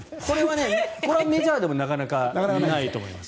これはメジャーでもなかなかないと思います。